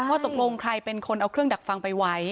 ว่าตกลงใครเป็นคนเอาเครื่องดักฟังไปไว้